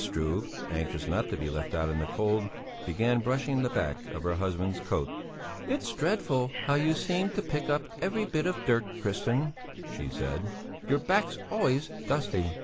Struve, anxious not to be left out in the cold, began brushing the back of her husband's coat. "It's dreadful how you seem to pick up every bit of dirt, Christian," she said; "your back's always dusty.